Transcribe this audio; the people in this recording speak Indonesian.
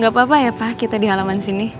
gak apa apa ya pak kita di halaman sini